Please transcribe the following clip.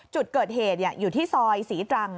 จุดเกิดเหตุอยู่ที่ซอยศรีตรัง